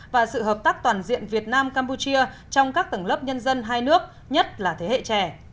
và sự hợp tác toàn diện việt nam campuchia trong các tầng lớp nhân dân hai nước nhất là thế hệ trẻ